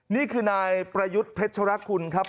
นี่คือนายประยุทธ์เพชรคุณครับ